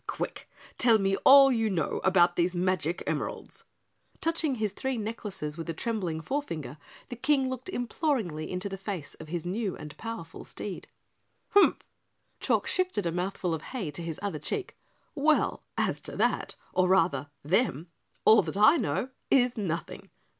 "Quick, tell me all you know about these magic emeralds." Touching his three necklaces with a trembling forefinger, the King looked imploringly into the face of his new and powerful steed. "Humph!" Chalk shifted a mouthful of hay to his other cheek. "Well, as to that, or rather them, all that I know is nothing.